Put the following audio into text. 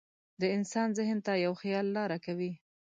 د انسان ذهن ته یو خیال لاره کوي.